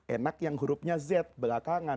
enak yang hurufnya z belakangan